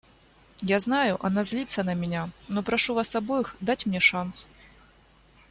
Я знаю, она злится на меня, но прошу вас обоих дать мне шанс.